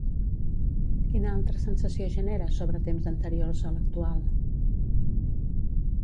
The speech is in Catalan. Quina altra sensació genera sobre temps anteriors a l'actual?